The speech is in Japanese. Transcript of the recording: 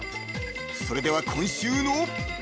［それでは今週の］